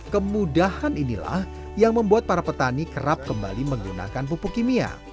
kemudahan inilah yang membuat para petani kerap kembali menggunakan pupuk kimia